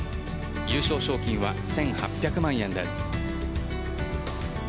優勝賞金は１８００万円です。